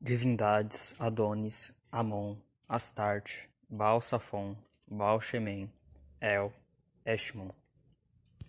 divindades, Adônis, Amon, Astarte, Baal Safon, Baal Shemen, El, Eshmun